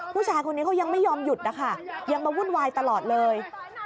ผู้ชายคนนี้เขายังไม่ยอมหยุดนะคะยังมาวุ่นวายตลอดเลย